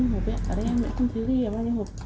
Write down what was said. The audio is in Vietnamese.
bao nhiêu hộp ạ